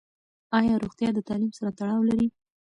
ایا روغتیا د تعلیم سره تړاو لري؟